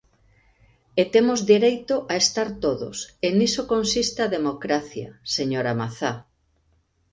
E temos dereito a estar todos, e niso consiste a democracia, señora Mazá.